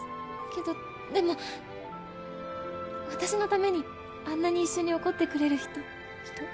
けどでも私のためにあんなに一緒に怒ってくれる人人？